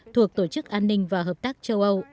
thuộc tổ chức an ninh và hợp tác châu âu